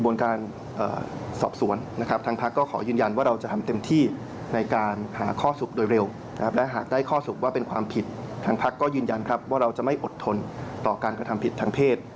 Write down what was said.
แล้วหากได้ข้อสุดว่าเป็นความผิดทางพักก็ยืนยันครับว่าเราจะไม่อดทนต่อการกระทำผิดทางเพศ